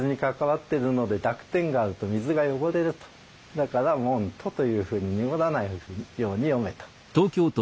だから「もんと」というふうに濁らないように読めと。